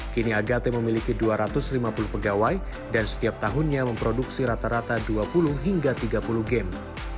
kini agate memiliki dua ratus lima puluh pegawai dan setiap tahunnya memproduksi rata rata dua puluh hingga tiga puluh game